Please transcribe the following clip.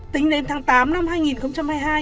tính đến tháng tám năm hai nghìn hai mươi hai